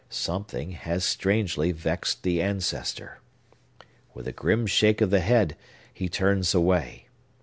Something has strangely vexed the ancestor! With a grim shake of the head, he turns away.